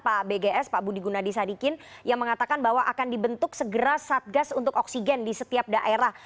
pak bgs pak budi gunadisadikin yang mengatakan bahwa akan dibentuk segera satgas untuk oksigen di setiap daerah